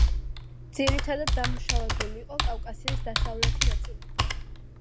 ძირითადად დამუშავებული იყო კავკასიის დასავლეთი ნაწილი.